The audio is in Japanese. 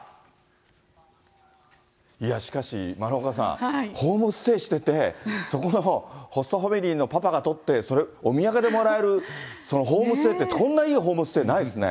いや、しかし、丸岡さん、ホームステイしてて、そこのホストファミリーのパパが捕って、それをお土産でもらえるホームステイって、こんないいホームステイってないですよね。